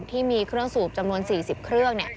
ที่มีเครื่องสูบจำนวน๔๐เครื่อง